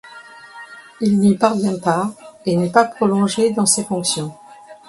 Il n'y parvient pas, et n'est pas prolongé dans ses fonctions.